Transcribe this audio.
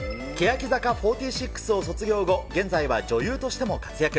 欅坂４６を卒業後、現在は女優としても活躍。